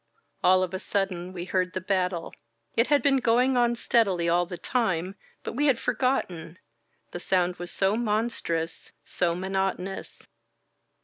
All of a sudden we heard the battle. It had been going on steadily all the time, but we had for gotten — the sound was so monstrous, so monotonous.